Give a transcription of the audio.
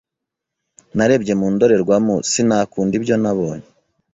Narebye mu ndorerwamo sinakunda ibyo nabonye.